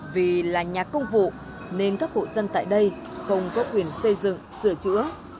vì là nhà công vụ nên các hộ dân tại đây không có quyền xây dựng sửa chữa